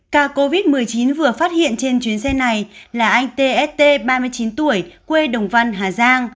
ca covid một mươi chín vừa phát hiện trên chuyến xe này là anh t s t ba mươi chín tuổi quê đồng văn hà giang